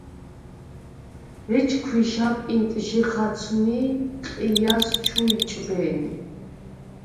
ეჯ ქვიშა პინტჟი ხაცვმი ი ყიჲას ჩუ იჭვე̄ნი.